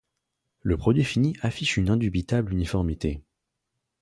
Le produit fini affiche une indubitable uniformité.